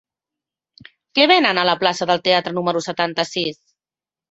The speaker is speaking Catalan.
Què venen a la plaça del Teatre número setanta-sis?